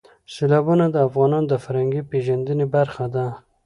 سیلابونه د افغانانو د فرهنګي پیژندنې برخه ده.